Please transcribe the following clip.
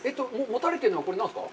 持たれているのは、これは何ですか。